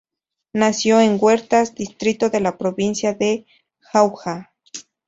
Nació en Huertas, distrito de la provincia de Jauja.